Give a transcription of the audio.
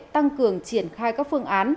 tăng cường triển khai các phương án